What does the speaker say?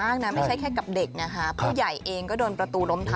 นักแล้วนะคือคือมันเกิดเหตุการณ์แบบนี้บ่อยมากนะ